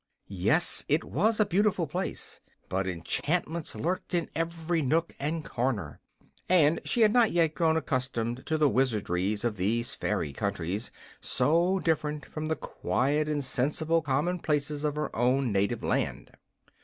Yes, it was a beautiful place; but enchantments lurked in every nook and corner, and she had not yet grown accustomed to the wizardries of these fairy countries, so different from the quiet and sensible common places of her own native land.